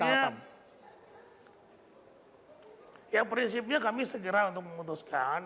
ya prinsipnya kami segera untuk memutuskan